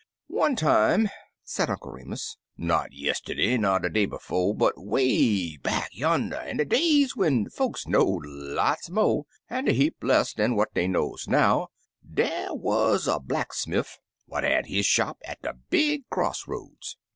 "One time," said Uncle Remus, "not jristeddy, ner de day befo', but 'way back yander in de days when folks knowed lots mo* an' a heap less dan what dey knows now, der wuz a blacksmiff what had his shop at de big cross roads.